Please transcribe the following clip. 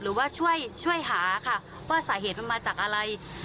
หรือว่าช่วยหาค่ะว่าสาเหตุมันมาจากอะไร